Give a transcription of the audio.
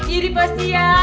iri pasti ya